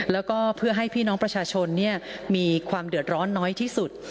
แล้วก็เพื่อให้พี่น้องประชาชนมีความเดือดร้อนน้อยที่สุด